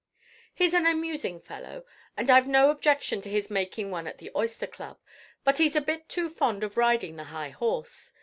"He's an amusing fellow; and I've no objection to his making one at the Oyster Club; but he's a bit too fond of riding the high horse.